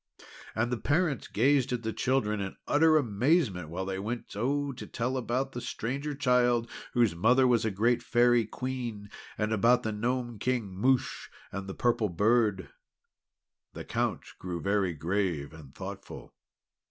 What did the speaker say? And the parents gazed at the children in utter amazement, while they went oh to tell about the Stranger Child whose mother was a great Fairy Queen, and about the Gnome King, Mouche, and the Purple Bird. The Count grew very grave and thoughtful.